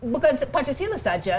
bukan pancasila saja